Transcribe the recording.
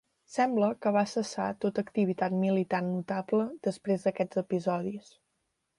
Sembla que va cessar tota activitat militant notable després d'aquests episodis.